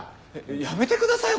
やめてくださいよ！